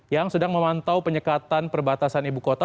yang sedang memantau penyekatan perbatasan ibu kota